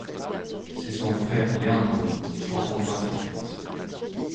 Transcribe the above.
C'est son frère Leandro qui reprendra sa suite.